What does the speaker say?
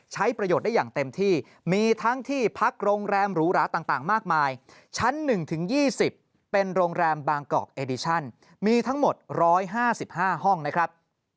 ใช้ประโยชน์ได้อย่างเต็มที่มีทั้งที่พักโรงแรมหรูหราต่างมากมายชั้น๑ถึง๒๐เป็นโรงแรมบางกอกเอดิชั่นมีทั้งหมด๑๕๕ห้องนะครับ